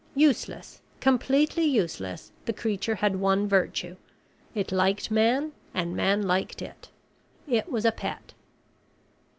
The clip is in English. Useless, completely useless, the creature had one virtue. It liked Man and Man liked it. It was a pet.